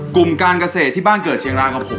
กลุ่มการเกษตรที่บ้านเกิดเชียงรางกับผม